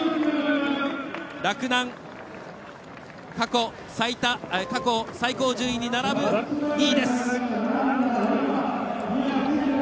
洛南、過去最高順位に並ぶ２位です。